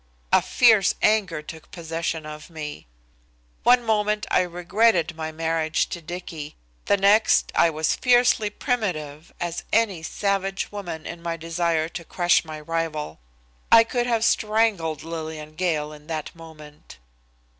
A fierce anger took possession of me. One moment I regretted my marriage to Dicky, the next I was fiercely primitive as any savage woman in my desire to crush my rival. I could have strangled Lillian Gale in that moment.